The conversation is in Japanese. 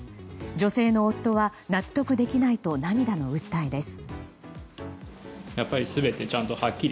女性の夫は納得できないと涙の訴えです。